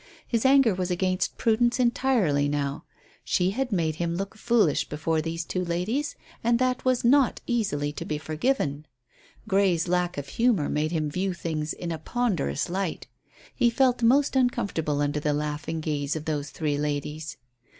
His anger was against Prudence entirely now. She had made him look foolish before these two ladies, and that was not easily to be forgiven. Grey's lack of humour made him view things in a ponderous light. He felt most uncomfortable under the laughing gaze of those three ladies.